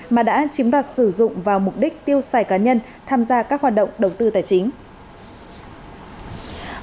mà đã chiếm đoạt sử dụng vào mục đích tiêu xài cá nhân tham gia các hoạt động đầu tư tài chính